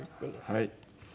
はい。